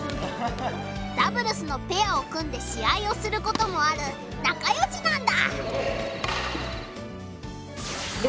ダブルスのペアを組んで試合をすることもあるなかよしなんだ。